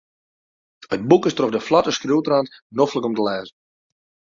It boek is troch de flotte skriuwtrant noflik om te lêzen.